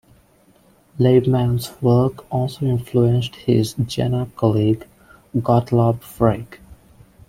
Liebmann's work also influenced his Jena colleague Gottlob Frege.